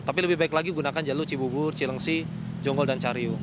tapi lebih baik lagi gunakan jalur cibubur cilengsi jonggol dan cariu